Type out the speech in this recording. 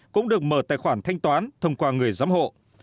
cũng được mở tài khoản thanh toán thông qua người giám hộ